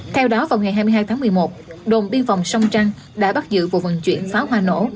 theo đó vào ngày hai mươi hai tháng một mươi một đồn biên phòng sông trăng đã bắt giữ vụ vận chuyển pháo hoa nổ